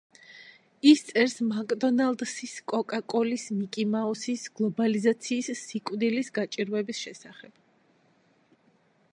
ის წერს მაკდონალდსის, კოკა-კოლის, მიკი მაუსის, გლობალიზაციის, სიკვდილის, გაჭირვების შესახებ.